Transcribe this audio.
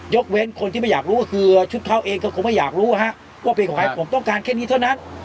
เว้นคนที่ไม่อยากรู้ก็คือชุดเขาเองก็คงไม่อยากรู้ว่าเป็นของใครผมต้องการแค่นี้เท่านั้น